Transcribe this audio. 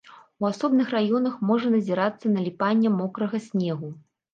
У асобных раёнах можа назірацца наліпанне мокрага снегу.